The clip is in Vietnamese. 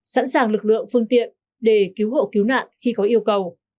sẵn sàng lực lượng phương tiện để cứu hộ cứu nạn khi có yêu cầu